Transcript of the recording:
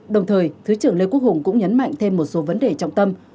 đồng thời thứ trưởng lê quốc hùng cũng nhấn mạnh thêm một số vấn đề trọng tâm